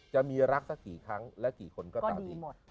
จะมีรักสักกี่ครั้งและกี่คนก็ตามอีก